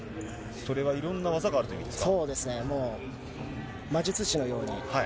それはいろんな技があるということですか。